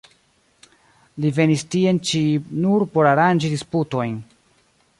Li venis tien ĉi nur por aranĝi disputojn.